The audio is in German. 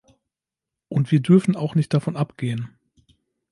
Und wir dürfen auch nicht davon abgehen.